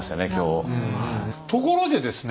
ところでですね